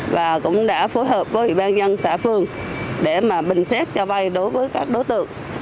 và cũng đã phối hợp với ủy ban dân xã phương để mà bình xét cho vay đối với các đối tượng